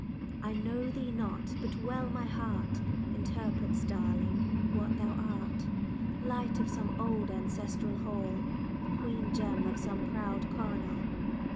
"I know thee not; but well my heart Interprets, darling, what thou art; Light of some old ancestral hall, Queen gem of some proud coronal!